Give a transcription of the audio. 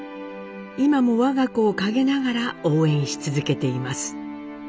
今も我が子を陰ながら応援し続けています。